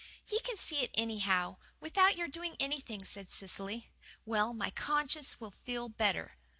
"He can see it anyhow, without your doing anything," said Cecily. "Well, my conscience will feel better."